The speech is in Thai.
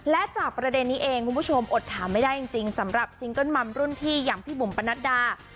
และจากประเด็นนี้เองคุณผู้ชมอดถามไม่ได้จริงสำหรับซิงเกิ้ลมัมรุ่นพี่อย่างพี่บุ๋มปนัดดา